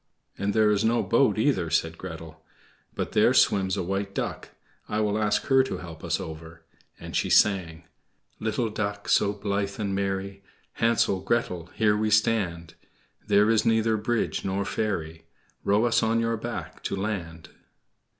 "And there is no boat, either," said Gretel; "but there swims a white duck I will ask her to help us over," and she sang: "Little Duck so blithe and merry, Hansel, Gretel, here we stand; There is neither bridge nor ferry, Row us on your back to land."